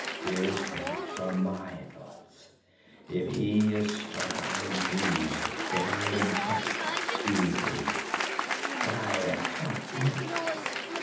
His thoughts are my thoughts; if he is struck, I am bruised. If I am cut, he bleeds. But I have talked enough.